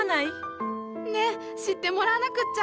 ねっ知ってもらわなくっちゃ。